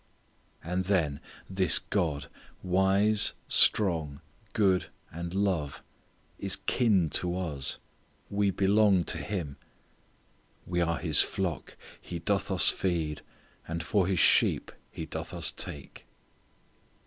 And then, this God, wise, strong, good, and love, is kin to us. We belong to Him. "We are His flock; He doth us feed. And for His sheep, He doth us take."